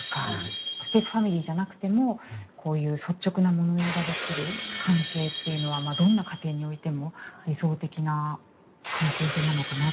ステップファミリーじゃなくてもこういう率直な物言いができる関係っていうのはどんな家庭においても理想的な関係性なのかなと思いました。